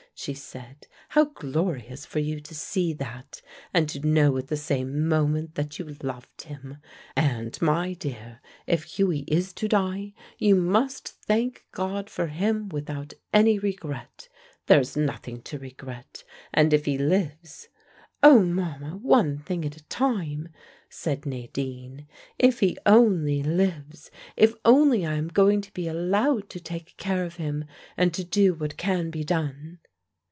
she said. "How glorious for you to see that, and to know at the same moment that you loved him. And, my dear, if Hughie is to die, you must thank God for him without any regret. There is nothing to regret. And if he lives " "Oh, Mama, one thing at a time," said Nadine. "If he only lives, if only I am going to be allowed to take care of him, and to do what can be done."